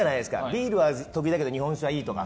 ビールは得意だけど日本酒は苦手だとか。